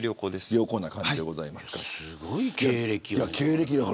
すごい経歴やね。